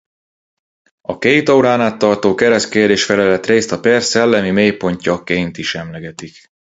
A két órán át tartó keresztkérdés-felelet részt a per szellemi mélypontként is emlegetik.